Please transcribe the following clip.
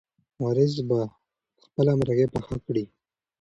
وارث به خپله مرغۍ پخه کړي.